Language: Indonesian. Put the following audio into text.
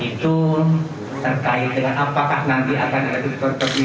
pak untuk sampaian pasal yang tadi dibacakan tadi